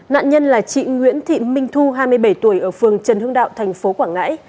nạn nhân là chị nguyễn thị minh thu hai mươi bảy tuổi ở phường trần hưng đạo thành phố quảng ngãi